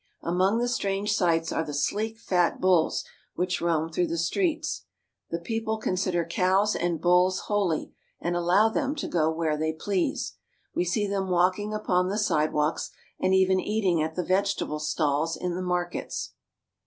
Among the strange sights are the sleek, fat bulls which roam through the streets. The people consider cows and bulls holy, and allow them to go where they please. We see them walking upon the sidewalks, and even eating at the vegetable stalls in the markets.